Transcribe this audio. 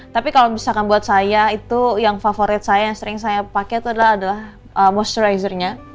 tapi kalau misalkan buat saya itu yang favorit saya yang sering saya pakai itu adalah most rizer nya